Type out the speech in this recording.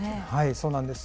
そうなんです。